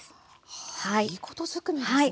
はあいいことずくめですね。